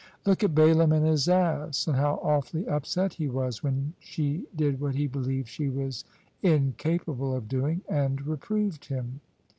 Look at Balaam and his ass, and how awfully upset he was when she did what he believed she was incapable of doing, and reproved him.